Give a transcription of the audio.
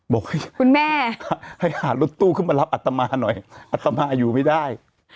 คุณแม่ให้หารถตู้ขึ้นมารับอัตมาหน่อยอัตมาอยู่ไม่ได้